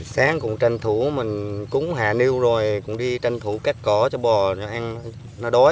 sáng mình cũng tranh thủ cúng hạ niu rồi cũng đi tranh thủ các cỏ cho bò cho nó đói